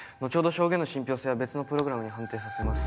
証言の信憑性は別のプログラムに判定させます。